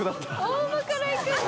大葉からいくんだ。